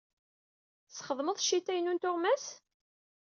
Tesxedmeḍ ccita-inu n tuɣmas?